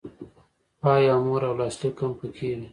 پای او مهر او لاسلیک هم پکې وي.